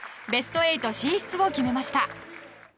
ベスト８進出を決めました。